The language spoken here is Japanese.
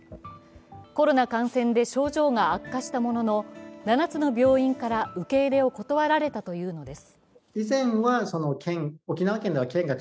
コロナ感染で症状が悪化したものの、７つの病院から受け入れを断られたというのです。